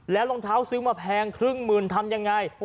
รองเท้าซื้อมาแพงครึ่งหมื่นทำยังไง